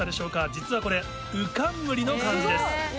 実はこれウ冠の漢字です。